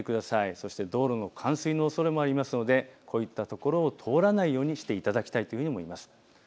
そして道路の冠水のおそれもありますのでこういったところ、通らないようにしていただきたいと思います。